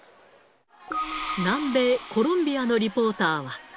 南米コロンビアのリポーターは。